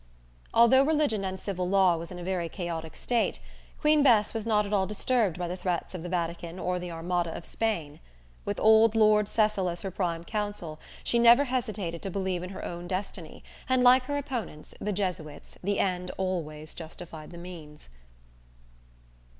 Although religion and civil law was in a very chaotic state, Queen Bess was not at all disturbed by the threats of the Vatican or the Armada of Spain. With old Lord Cecil as her prime counsel, she never hesitated to believe in her own destiny, and, like her opponents, the Jesuits, the end always justified the means.